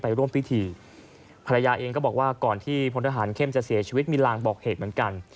ร่วมพิธีภรรยาเองก็บอกว่าก่อนที่พลทหารเข้มจะเสียชีวิตมีลางบอกเหตุเหมือนกัน